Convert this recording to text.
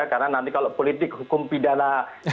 karena nanti kalau politik hukum pidana